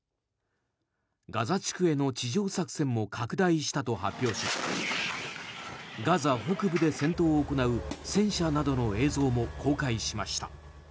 ガザ地区への地上作戦も拡大したと発表しガザ北部で戦闘を行う戦車などの映像も公開しました。